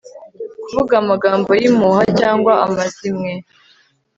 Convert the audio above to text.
kuvuga amagambo y'impuha cyangwa amazimwe